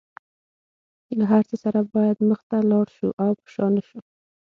له هر څه سره باید مخ ته لاړ شو او په شا نشو.